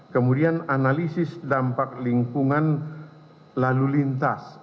kemudian analisis dampak lingkungan lalu lintas